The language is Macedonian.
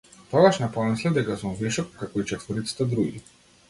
Тогаш не помислив дека сум вишок, како и четворицата други.